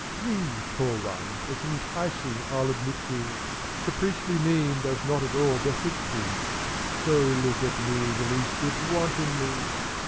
Thee, tall one, as enticing I'll admit thee ; The priestly mien does not at all befit thee, So look at me the least bit wantonly